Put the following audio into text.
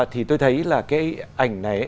thì tôi thấy là cái ảnh này